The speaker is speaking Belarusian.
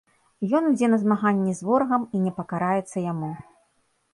Ён ідзе на змаганне з ворагам і не пакараецца яму.